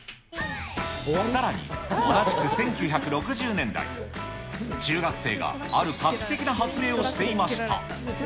さらに、同じく１９６０年代、中学生がある画期的な発明をしていました。